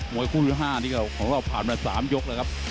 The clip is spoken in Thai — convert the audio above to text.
มวยครุ่น๕ของเราผ่านมา๓ยกแล้วครับ